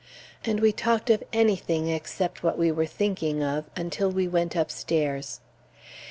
And we talked of anything except what we were thinking of, until we went upstairs.